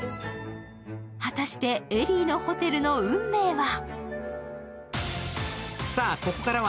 果たして、エリーのホテルの運命は？